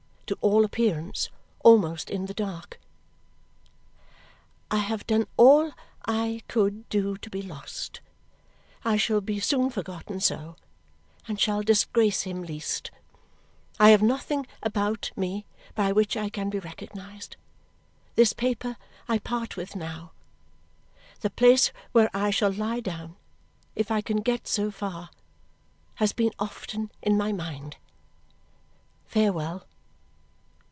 To all appearance, almost in the dark: I have done all I could do to be lost. I shall be soon forgotten so, and shall disgrace him least. I have nothing about me by which I can be recognized. This paper I part with now. The place where I shall lie down, if I can get so far, has been often in my mind. Farewell.